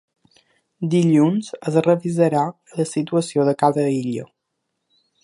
Dilluns es revisarà la situació de cada illa.